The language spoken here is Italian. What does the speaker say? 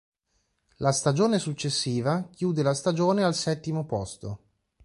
La stagione successiva chiude la stagione al settimo posto.